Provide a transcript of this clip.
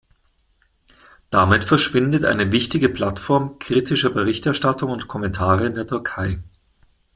Damit verschwindet eine wichtige Plattform kritischer Berichterstattung und Kommentare in der Türkei.